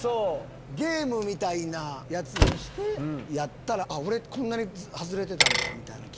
ゲームみたいなやつにしてやったら「俺外れてたんだ」みたいな。